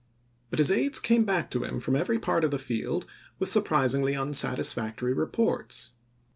But his aides came back to him from every part of the field with surprisingly unsatisfactory reports.